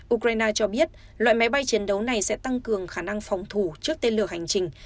ukraine cho biết loại máy bay chiến đấu này sẽ tăng cường khả năng phòng thủ trước tên lửa hành trình